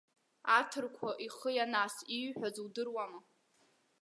Аҭырқәа ихы ианас ииҳәаз удыруама?